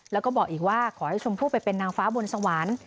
แล้วก็บอกอีกว่าขอให้ชมพู่ไปเป็นนางฟ้าบนสวรรค์